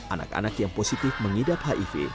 anak anak yang positif mengidap hiv